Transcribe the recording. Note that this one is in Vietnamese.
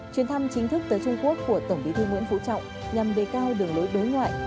chuyến thăm chính thức tới trung quốc của tổng bí thư nguyễn phú trọng nhằm đề cao đường lối đối ngoại